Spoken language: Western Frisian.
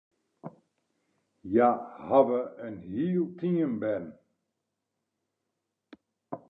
Hja hawwe in hiel team bern.